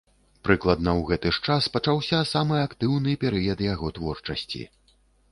Прыкладна ў гэты ж час пачаўся самы актыўны перыяд яго творчасці.